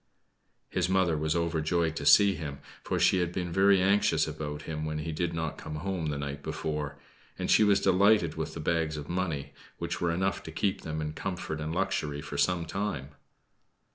His mother was overjoyed to see him, for she had been very anxious about him when he did not come home the night before; and she was delighted with the bags of money, which were enough to keep them in comfort and luxury for some time.